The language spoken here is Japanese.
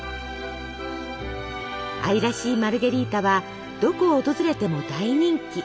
愛らしいマルゲリータはどこを訪れても大人気。